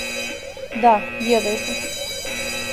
Да, је лепо.